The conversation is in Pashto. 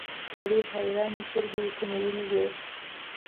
سړي حيرانې سترګې ورته نيولې وې.